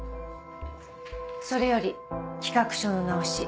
それより企画書の直し